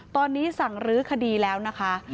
ตอนนี้สั่งรื้อคดีแล้วนะคะ